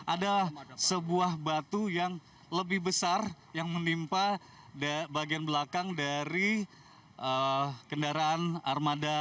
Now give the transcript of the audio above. ada sebuah batu yang lebih besar yang menimpa bagian belakang dari kendaraan armada